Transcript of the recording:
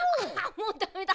もうダメだ。